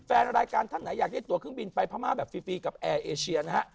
แฟนรายการท่านไหนอยากได้ตัวเครื่องบินไปพม่าแบบฟรีกับแอร์เอเชียนะฮะ